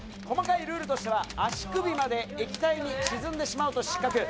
細かいルールとしては、足首まで液体に沈んでしまうと失格。